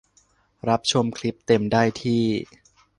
รับชมคลิปเต็มได้ที่